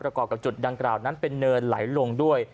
ประกอบกับจุดดังกล่าวนั้นเป็นเนินไหลลงด้วย